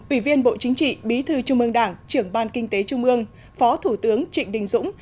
ủy viên bộ chính trị bí thư chung mương đảng trưởng ban kinh tế chung mương phó thủ tướng trịnh đình dũng